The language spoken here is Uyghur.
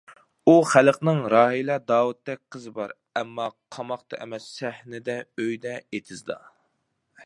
ئۇ خەلقنىڭ راھىلە داۋۇتتەك قىزى بار، ئەمما قاماقتا ئەمەس سەھنىدە، ئۆيدە، ئېتىزدا.